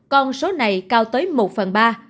con số này cao tới một phần ba